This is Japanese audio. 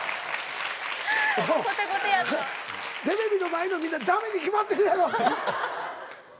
テレビの前のみんな駄目に決まってるやろって。